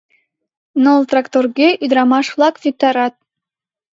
Ныл тракторге ӱдырамаш-влак виктарат.